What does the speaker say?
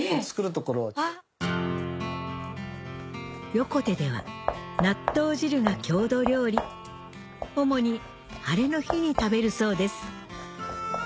横手では納豆汁が郷土料理主に晴れの日に食べるそうです